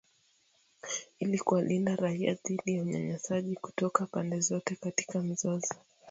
Ili kuwalinda raia dhidi ya unyanyasaji kutoka pande zote katika mzozo.